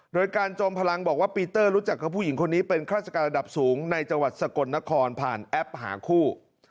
โดยการจอมพลังบอกว่าปีเตอร์รู้จักกับผู้หญิงคนนี้เป็นข้าราชการระดับสูงในจังหวัดสกลนครผ่านแอปหาคู่